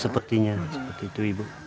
sepertinya seperti itu ibu